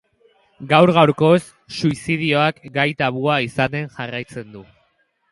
Gaur gaurkoz suizidioak gai tabua izaten jarraitzen du.